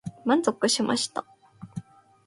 満足しました。